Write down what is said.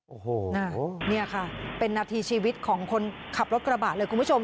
โอ้โหนี่ค่ะเป็นนาทีชีวิตของคนขับรถกระบะเลยคุณผู้ชม